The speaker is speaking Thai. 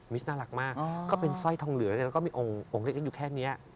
น่ารักมากก็เป็นสร้อยทองเหลือแล้วก็มีองค์เล็กอยู่แค่นี้